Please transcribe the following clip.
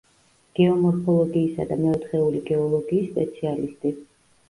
გეომორფოლოგიისა და მეოთხეული გეოლოგიის სპეციალისტი.